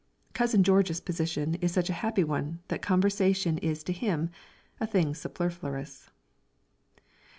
Cousin George's position is such a happy one, that conversation is to him a thing superfluous.